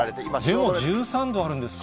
でも、１３度あるんですか。